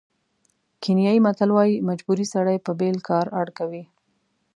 کینیايي متل وایي مجبوري سړی په بېل کار اړ کوي.